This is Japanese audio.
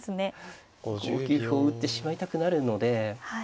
５九歩を打ってしまいたくなるので。